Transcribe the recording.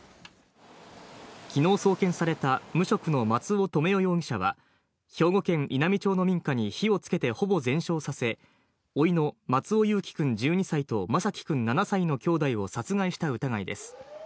昨日、送検された無職の松尾留与容疑者は、兵庫県稲美町の民家に火をつけてほぼ全焼させ、甥の松尾侑城くん１２歳と、眞輝くん７歳の兄弟を殺害した疑いです。